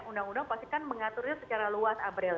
undang undang pasti kan mengaturnya secara luas abrel